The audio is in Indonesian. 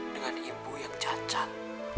dengan ibu yang cacat